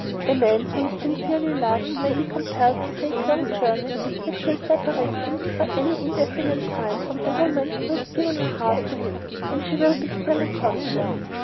A man who is sincerely loved may be compelled to take long journeys which will separate him for an indefinite time from the woman who has given her heart to him, and she will still be constant.